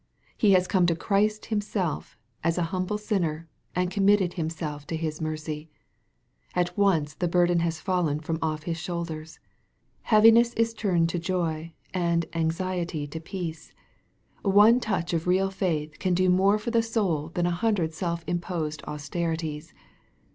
He has come to Christ Himself, as a humble sinner, and committed himself to His mercy. At once the burden has fallen from off his shoulders. Heaviness is turned to joy, and anxiety to peace. One touch of real faith can do more for the soul than a hundred self imposed austerities.